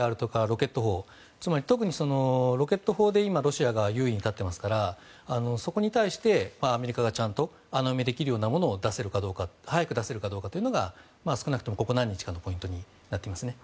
つまり特にロケット砲で今はロシアが優位に立っていますからそこに対してアメリカがちゃんと穴埋めできるようなものを早く出せるかということが少なくともポイントになってきますね。